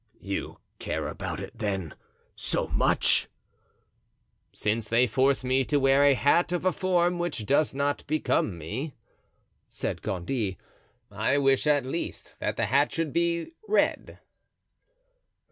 "You care about it, then, so much?" "Since they force me to wear a hat of a form which does not become me," said Gondy, "I wish at least that the hat should be red."